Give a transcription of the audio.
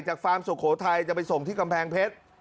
ฟาร์มสุโขทัยจะไปส่งที่กำแพงเพชร